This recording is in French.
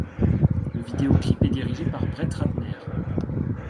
Le vidéoclip est dirigé par Brett Ratner.